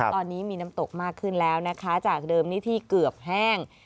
ตอนนี้มีน้ำตกมากขึ้นแล้วนะคะจากเดิมนี้ที่เกือบแห้ง